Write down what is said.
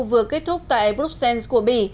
vừa kết thúc tại bruxelles của bỉ